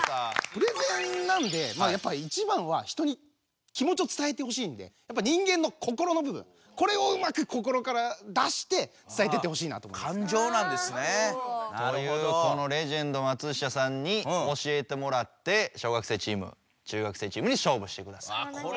プレゼンなんでやっぱいちばんは人に気持ちを伝えてほしいんで人間の心のぶぶんこれをうまく心から出して伝えてってほしいなと。というこのレジェンド松下さんに教えてもらって小学生チーム中学生チームに勝負してください。